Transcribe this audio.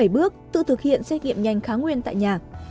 bảy bước tự thực hiện xét nghiệm nhanh kháng nguyên tại nhà